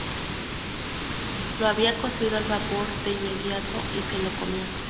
Lo había cocido al vapor de inmediato y se lo comió.